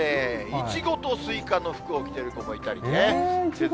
イチゴとスイカの服を着てる子もいたりね。